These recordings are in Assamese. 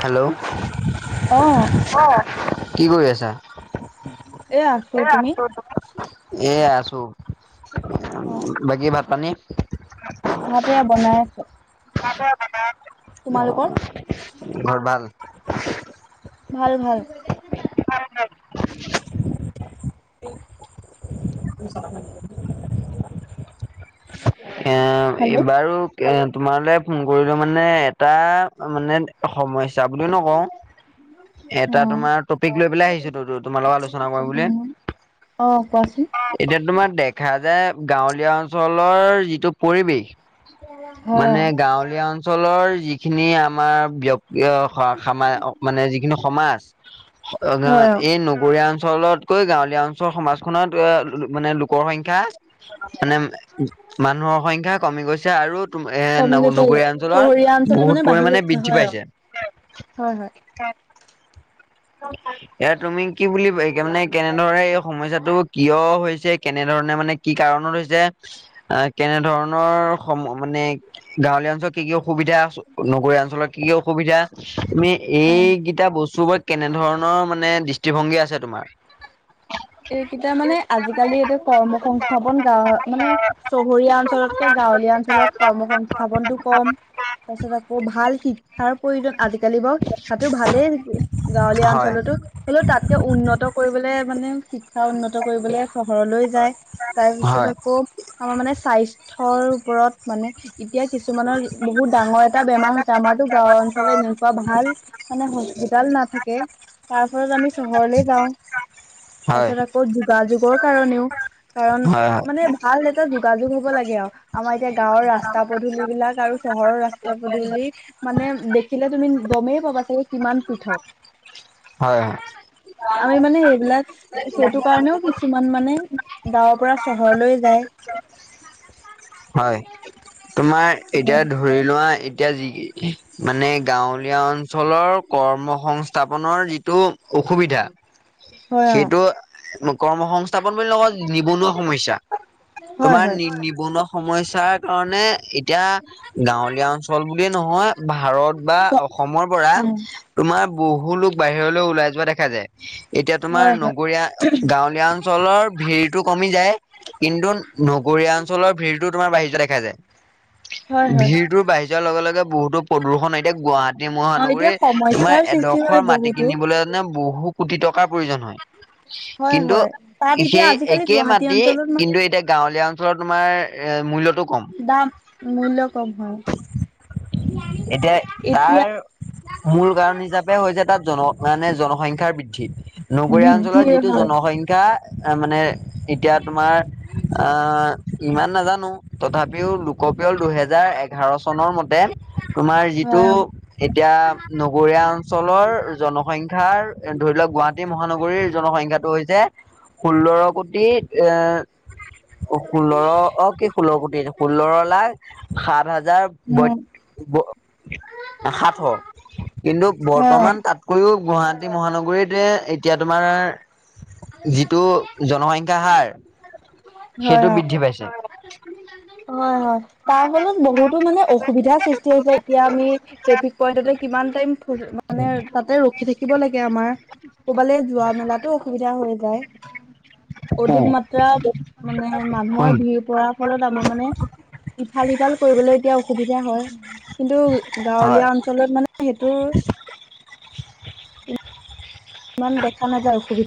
হেল্ল', অ অ, কি কৰি আছা? এ আছো, এ আছো। বাকী ভাত-পানী? ভাতে বনাই আছে। ঘৰত তোমালোকৰ ভাল? ভাল-ভাল। এ হেল্ল' অ বাৰু এ তোমালে ফোন কৰিলো মানে এটা মানে সমস্যা বুলিও নকওঁ। এটা তোমাৰ টপিক লৈ পেলাই আহিছো ত তোমাৰ লগত আলোচনা কৰো বুলি। আহ কোৱাচোন। এতিয়া তোমাৰ দেখা যায় গাঁৱলীয়া অঞ্চলৰ যিটো পৰিৱেশ। হয় অ মানে গাঁৱলীয়া অঞ্চলৰ যিখিনি আমাৰ ব্যক য় স সামা অক মানে যিখিনি সমাজ, হয় অ এই নগৰীয়া অঞ্চলত কৈ গাঁৱলীয়া অঞ্চল সমাজখনত মানে লোকৰ সংখ্যা মানে মানুহৰ সংখ্যা কমি গৈছে আৰু এ কমি গৈছে নগৰীয়া অঞ্চলৰ চহৰীয়া অঞ্চল বহুত মানে বাঢ়ি পৰিমাণে গৈছে বৃদ্ধি হয় অ পাইছে। হয়, হয়। এয়া তুমি কি বুলি মানে কেনে ধৰে এই সমস্যাটো কিয় হৈছে কেনেধৰণে মানে কি কাৰণত হৈছে, আহ কেনেধৰণৰ সম মান নে গাঁৱলীয়া অঞ্চল কি কি অসুবিধা, নগৰীয়া অঞ্চলত কি কি অসুবিধা, তুমি অ এইকেইটা বস্তুবোৰ কেনে ধৰণৰ মানে দৃষ্টিভংগী আছে তোমাৰ? এইকেইটা মানে আজিকালি এইটো কৰ্ম সংস্থাপন গাঁৱত মানে চহৰীয়া অঞ্চলতকে গা গাঁৱলীয়া অঞ্চলত কৰ্ম সংস্থাপনটো কম। তাৰ পিছত আকৌ ভাল শিক্ষাৰ প্ৰয়োজন, আজিকালি বাৰু শিক্ষাটো ভালেই গাঁৱলীয়া হয় অঞ্চলতো হ'লেও তাতকে উন্নত কৰিবলে মানে শিক্ষা উন্নত কৰিবলে চহৰলৈ যায়, তাৰপিছত হয় আকৌ আমাৰ মানে স্বাস্থ ৰ ওপৰত মানে এতিয়া কিছুমানৰ বহুত ডাঙৰ এটা বেমাৰ হৈছে, আমাৰতো গাঁও অঞ্চলত এনেকুৱা ভাল মানে হস্পিতাল নাথাকে। তাৰ ফলত আমি চহৰলে যাওঁ হয় তাৰপিছত আকৌ যোগাযোগৰ কাৰণেও। কাৰণ হয় মানে ভাল এটা যোগাযোগ হ'ব লাগে আৰু আমাৰ এতিয়া গাঁওৰ ৰাস্তা পদূল বিলাক আৰু চহৰৰ ৰাস্তা পদূলি, মানে দেখিলে তুমি গমেই পাবা চাগে কিমান পৃথক। হয় হয় আমি মানে সেইবিলাক সেইটো কাৰণেও কিছুমান মানে গাঁৱৰ পৰা চহৰলৈ যায়। হয় তোমাৰ এতিয়া ধৰি লোৱা এতিয়া যি মানে গাঁৱলীয়া অঞ্চলৰ কৰ্ম সংস্থ নৰ যিটো অসুবিধা হয় অ সেইটো কৰ্মসস্থাপন বুলি নকও নিবনুৱা সমস্যা হয় তোমাৰ হয় নি নিবনুৱা সমস্যাৰ কাৰণে এই এতিয়া গাঁৱলীয়া অঞ্চল বুলিয়ে নহয় ভাৰত বা উ অসমৰ পৰা তোমাৰ বহুত বহু লোক বাহিৰলৈ ওলাই যোৱা দেখা যায়। এতিয়া তোমাৰ হয় হয় নগৰীয়া গাঁৱলীয়া অঞ্চলৰ ভেৰি টো কমি যায় কিন্তু নগৰিয়া অনচলৰ ভিৰতো তোমাৰ বাৰি যোৱা দেখা যায় হয় হয় ভিৰটোৰ বাঢ়ি যোৱাৰ লগে লগে বহুত টো প্ৰদূষণ এতিয়া গুৱাহাটী অ এতিয়া মহানগৰীৰ তোমাৰ সমস্যাৰ সৃষ্টি এডখ হয় এডখৰ মাটি বহুতো কিনিবলৈ কাৰনে বহুত কোটি টকাৰ প্ৰয়োজন হয়। হয় কিন্তু হয় তাত এতিয়া সেই আজিকালি একেই গুৱাহাটী মাটি অঞ্চলত কিন্তু এতিয়া গাঁৱলীয়া তোমাৰ মূল্যটো কম। মূল্যয় কম হয় এতিয়া এতিয়া তাৰ মূল কাৰণ হিচাপে হৈছে তাত জন মানে জনসংখ্যাৰ বৃদ্ধি নগৰীয়া বৃদ্ধি অঞ্চলৰ যিটো হয় জন জনসংখ্যা মানে এতিয়া তোমাৰ আ ইমান নাজানো তথাপিও লোকপিয়ল দুহেজাৰ এঘাৰ চনৰ মতে তোমাৰ যিটো হয় এতিয়া নগৰীয়া অঞ্চলৰ জনসংখ্যাৰ ধৰি লওক গুৱাহাটী মহানগৰীৰ জনসংখ্যাটো হৈছে ষোল্ল কোটি এ ষোল্ল অ', কি ষোল্ল কোটি ষোল্ল লাখ সাত হাজাৰ উম বয়ত সাতশ। কিন্তু হয় বৰ্তমান তাতকৈও গুৱাহাটী মহানগৰীতে এতিয়া তোমাৰ। যিটো জনসংখ্যা হাৰ হয় সেইটো বৃদ্ধি পাইছে। অ হয় হয় তাৰ ফলত বহুতো মানে অসুবিধাৰ সৃষ্টি হৈছে এতিয়া আমি ট্ৰেফিক পইন্টতে কিমান টাইম মানে তাতে ৰখি থাকিব লাগে আমাৰ ক'বালে যোৱা মেলাতো অসুবিধা হৈ যায়। অধিক মাত্ৰা মানে মানুহৰ হয়, ভিৰ পৰাৰ ফলত আমাৰ মানে ইফাল সিফাল কৰিবলৈ এতিয়া অসুবিধা হয় কিন্তু হয়। গাঁৱলীয়া অঞ্চলত মানে সেইটো ইমান দেখা নাযায় অসুবিধা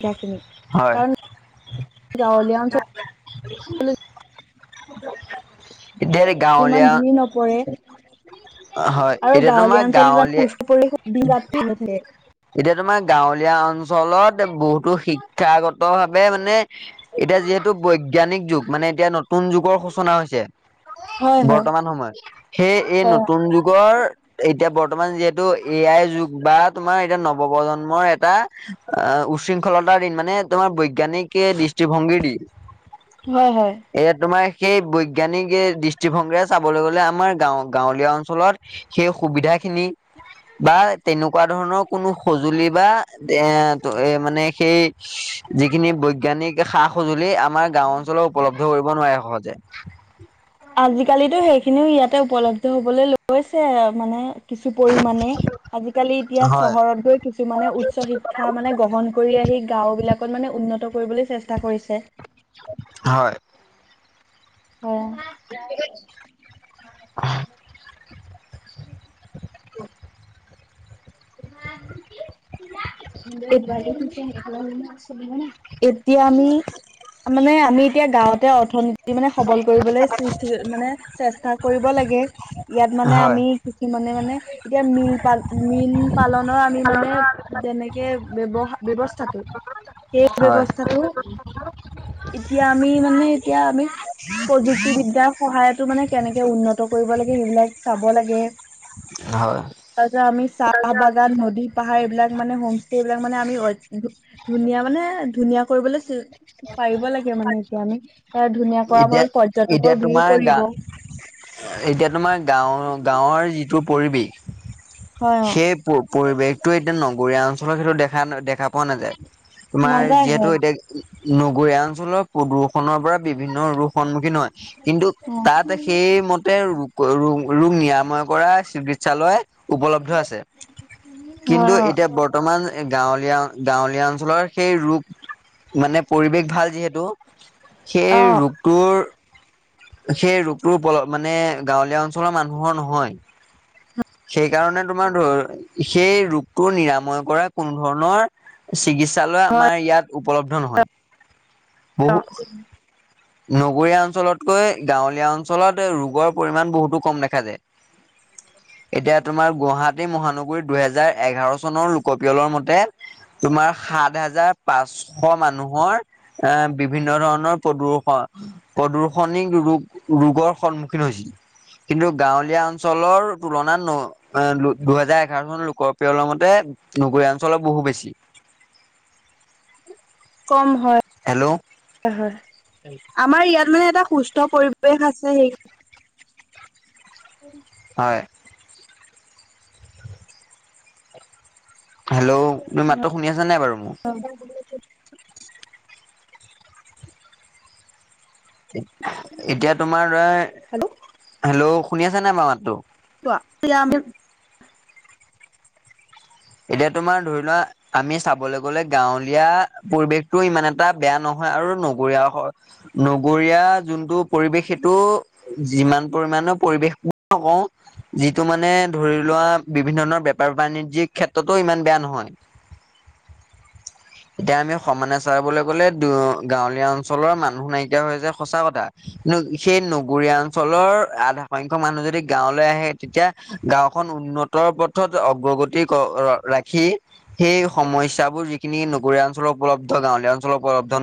[unintelligible] কাৰণ গাঁওত [unintelligible] এ দেৰ ইমান গাঁৱলীয়া ভিৰ নপৰে। হয় আৰু এতিয়া গাঁৱলীয়া তোমাৰ অঞ্চলত সুস্থ পৰিৱেশ দিন ৰাতি গাঁৱলীয়া হৈ থাকে। এতিয়া তোমাৰ গাঁৱলীয়া অঞ্চলত বহুতো শিক্ষাগত ভাৱে মানে এতিয়া যিহেতু বৈজ্ঞানিক যুগ মানে এতিয়া নতুন যুগৰ সূচনা হৈছে হয় হয় বৰ্তমান সময়ত সেই এই হয় নতুন যুগৰ এতিয়া বৰ্তমান যিহেতু এ আইৰ যুগ বা তোমাৰ প্ৰজন্মৰ এটা উশৃংখলতাৰ দিন মানে তোমাৰ বৈগ বজ্ঞানিকে দৃষ্টিভংগী দি হয় হয়। এ তোমাৰ সেই বজ্ঞা জ্ঞান দৃষ্টিভংগীৰে চাবলৈ গলে আমাৰ গ গাঁৱলীয়া অনচলত সেই সুবিধা খিনি বা তেনেকুৱা ধৰণৰ কোনো সজুলি বা মানে সেই যিখিন বজ্ঞানিক সা সঁজুলি আমাৰ গাওঁ অঞ্চলত উপলব্ধ কৰিব নোৱাৰে সহজে। আজিকালিতো সেইখিনিও ইয়াতে উপলব্ধ হবলৈ লৈছে মানে কিছু পৰিামানে আজিকালি এতিয়া হয় চহৰত গৈ কিছুমানে উচ্চ শিক্ষা মানে গ্ৰহণ কৰি আহ আহি গাওঁ বিলাকত মানে উন্নত কৰিবলৈ চেষ্টা কৰিছে। হয়। অ। [inaudible] খু ভাল ম আ। এতিয়া আমি মানে আমি এতিয়া গাঁৱতে অৰ্থনীতি য মানে সবল কৰিবলৈ সৃষ্টি মানে চেষ্টা কৰিব লাগে। ইয়াত মানে হয় আমি কিছু মানে মানে এতিয়া মিল পাল মিল পালনৰ আমি মানে যেনেকে বৱ ব্যৱস্থাটো সেই হয় ব্যৱস্থাটো এতিয়া আমি মানে এতিয়া আমি প্ৰযুক্তিবিদ্যাৰ সহায়ত ত আমি মানে কেনেকে উন্নত কৰিব লাগে সেইবিলাক চাব লাগে, হয় তাৰপিছত আমি চা টো চাহ বাগান নদী পাহাৰ এইবিলাক মানে হোম ষ্টে এইবিলাক মানে আমি ধুনীয়া মানে ধুনীয়া কৰিবলৈ চি পাৰিব লাগে মানে এতিয়া আমি এ ধুনীয়া কৰ এতিয়া ফলত এতিয়া পৰ্যটকৰ ভিৰ তোমাৰ গা পৰিব। এতিয়া তোমাৰ গাঁও গাঁৱৰ যিটো পৰিৱেশ হয় অ সেই পৰিৱেশটো এতিয়া নগৰীয়া অঞ্চলৰ সেইটো দেখা ন দে দেখা পোৱা নাযায় তোমাৰ নাযায় যিহেতু হয় এতিয়া নগৰীয়া অঞ্চলৰ প্ৰদূৰষণৰ পৰা বিভিন্ন ৰোগ সন্মুখীন হয়, কিন্তু অ তাত সেইমতে ৰোগ ৰ ৰোগ নিৰাময় কৰা চিকিৎসালয় উপলব্ধ আছে। কিন্তু হয় অ এতিয়া বৰ্তমান গাঁৱলীয়া গাঁৱলীয়া অঞ্চলৰ সেই ৰূপ মানে পৰিৱেশ ভাল যিহেতু সেই অ ৰোগটোৰ সেই ৰোগটোৰ মানে গাঁৱলীয়া অঞ্চলৰ মানুহৰ নহয়। সেইকাৰণে তোমাৰ ধৰ সেই ৰোগটো নিৰাময় কৰা কোনো ধৰণৰ চিকিৎসালয় আমাৰ ইয়াত উপলব্ধ নহয়। বহু নগৰীয়া অঞ্চলতকৈ গাঁৱলীয়া অঞ্চলত ৰোগৰ পৰিমাণ বহুতো কম দেখা যায়। এতিয়া তোমাৰ গুৱাহাটী মহানগৰীত দুহেজাৰ এঘাৰ চনৰ লোকপিয়লৰ মতে তোমাৰ সাত হাজাৰ পাঁচশ মানুহৰ এ বিভিন্ন ধৰণৰ প্ৰদূষন প্ৰদূষনিক ৰোগ ৰোগৰ সন্মুখীন হৈছিল, কিন্তু গাঁৱলীয়া অঞ্চলৰ তুলনাত ন দুহেজাৰ এঘাৰ চন লোকৰ প্ৰিয়লৰ মতে নগৰীয়া অঞ্চলৰ বহু বেছি। [inaudible] কম হয় হেল্ল' হয়। আমাৰ ইয়াত মানে এটা সুস্থ পৰিৱেশ আছে সেই উ [unintelligible] হয়। হেল্ল' তুমি মাত্ৰ শুনি আছা নাই বাৰু মোক? এতিয়া তোমাৰ দৰা হেল্ল' হেল্ল' শুনি আছে নাই বাৰ মাতো। [unintelligible] এতিয়া তোমাৰ ধৰি লোৱা আমি চাবলৈ গলে গাঁৱলীয়া পৰিৱেশতটো ইমান এটা বেয়া নহ হয় আৰু নগৰীয়া হ নগৰীয়া পৰিৱেশ সেইটো যিমান পৰিমাণে পৰিৱেশ নকও যিটো মানে ধৰি লোৱা বিভিন্ন ধৰণৰ বেপাৰ বাণিজ্যিক ক্ষেত্ৰতো ইমান বেয়া নহয়। এতিয়া আমি সমানে চাবলৈ গলে গাঁৱলীয়া অঞ্চলৰ মানুহ নাইকিয়া হৈ যে সঁচা কথা। সেই নগৰীয়া অঞ্চলৰ আধা সংখ্য মানুহ যদি গাঁৱলৈ আহে তেতিয়া গাঁওখন উন্নত পথত অগ্ৰগতি ৰাখি সেই সমস্যাবোৰ যিখিনি নগৰীয়া অঞ্চলৰ উপলব্ধ গাঁৱলীয়া অঞ্চলৰ উপলব্ধ